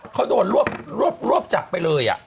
เขาโดนรวบจับไปเลย